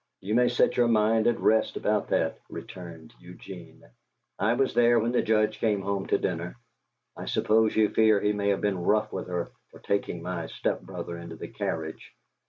"You may set your mind at rest about that," returned Eugene. "I was there when the Judge came home to dinner. I suppose you fear he may have been rough with her for taking my step brother into the carriage.